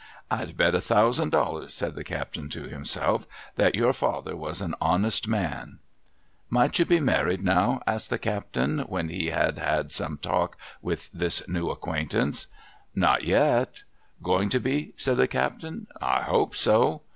' I'd bet a thousand dollars,' said the captain to himself, ' that your father was an honest man 1 '' Might you be married now ?' asked the captain, when he had had some talk with this new acquaintance. CAPTAIN JORGAN 227 ' Not yet.' ' Going to be ?' said the captain. ' I hope so.'